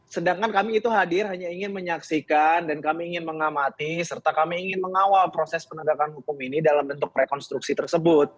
sedangkan kami itu hadir hanya ingin menyaksikan dan kami ingin mengamati serta kami ingin mengawal proses penegakan hukum ini dalam bentuk rekonstruksi tersebut